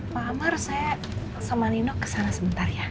pak amar saya sama nino kesana sebentar ya